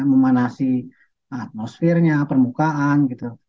memanasi atmosfernya permukaan gitu